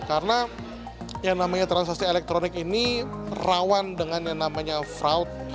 karena yang namanya transaksi elektronik ini rawan dengan yang namanya fraud